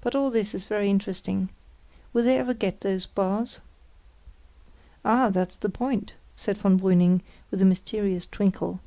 But all this is very interesting. Will they ever get those bars?" "Ah! that's the point," said von Brüning, with a mysterious twinkle.